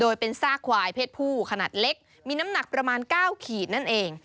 โดยเป็นซากควายเพศผู้ขนาดเล็กมีน้ำหนักประมาณ๙ขีดนั่นเอง